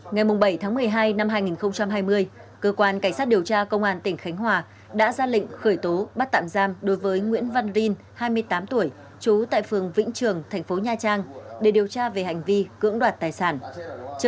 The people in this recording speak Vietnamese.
ngày bảy tháng một mươi hai năm hai nghìn hai mươi cơ quan cảnh sát điều tra công an tỉnh khánh hòa đã ra lệnh khởi tố bắt tạm giam đối với nguyễn văn rin hai mươi tám tuổi trú tại phường vĩnh trường thành phố nha trang để điều tra về hành vi cưỡng đoạt tài sản